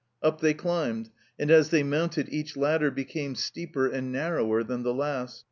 Up they climbed, and as they mounted each ladder became steeper and narrower than the last.